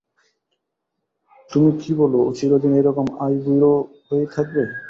তুমি কি বল ও চিরদিন এইরকম আইবুড়ো হয়েই থাকবে?